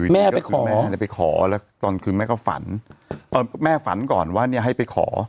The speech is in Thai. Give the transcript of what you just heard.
แม่ไปขอตอนคืนแม่ก็ฝันแม่ฝันก่อนว่าให้ไปขอ